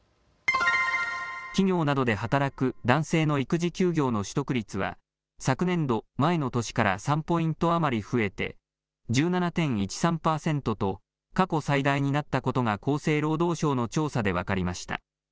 企業などで働く男性の育児休業の取得率は昨年度、前の年から３ポイント余り増えて１７．１３％と過去最大になったことが厚生労働省の調査で分かりました。